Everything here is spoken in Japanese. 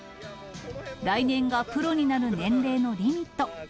来年がプロになる年齢のリミット。